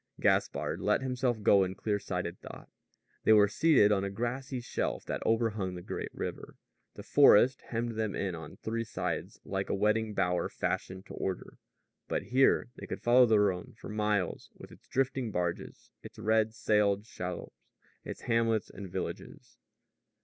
Gaspard let himself go in clear sighted thought. They were seated on a grassy shelf that overhung the great river. The forest hemmed them in on three sides like a wedding bower fashioned to order; but here they could follow the Rhone for miles with its drifting barges, its red sailed shallops, its hamlets, and villages.